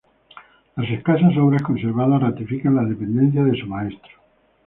Las escasas obras conservadas ratifican la dependencia de su maestro.